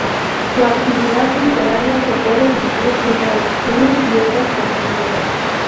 Su actividad literaria se puede dividir en traducciones y obras personales.